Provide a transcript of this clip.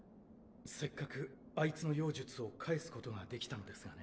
せっかくあいつの妖術を返す事ができたのですがね。